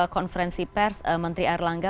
konferensi pers menteri erlangga